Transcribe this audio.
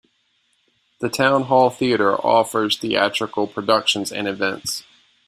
The Town Hall theatre offers theatrical productions and events.